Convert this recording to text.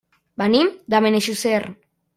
Venim de Benejússer.